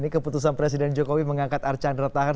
keputusan presiden jokowi mengangkat archandra tahar